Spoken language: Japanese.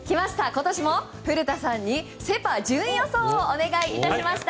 今年も古田さんにセ・パ順位予想お願いいたしました。